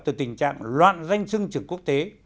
từ tình trạng loạn danh sưng trường quốc tế